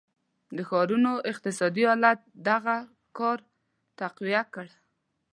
د ښارونو اقتصادي حالت دغه کار تقویه کړ.